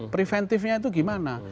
preventifnya itu gimana